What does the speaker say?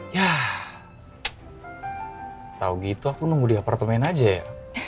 ya tau gitu aku nunggu di apartemen aja ya